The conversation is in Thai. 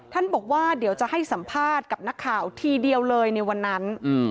ท่านบอกว่าเดี๋ยวจะให้สัมภาษณ์กับนักข่าวทีเดียวเลยในวันนั้น